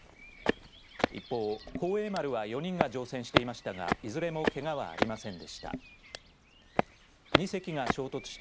一方、幸栄丸は４人が乗船していましたがいずれもけがはありませんでした。